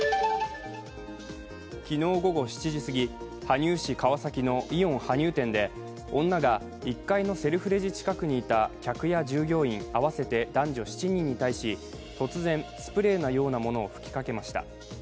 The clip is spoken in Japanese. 昨日午後７時すぎ羽生市川崎のイオン羽生店で女が１階のセルフレジ近くにいた客や従業員合わせて男女７人に対し突然スプレーのようなものを吹きかけました。